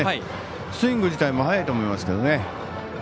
スイング自体も速いと思いますけどね。